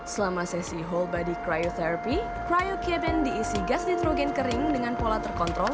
selama sesi whole body cryotherapy cryo cabin diisi gas nitrogen kering dengan pola terkontrol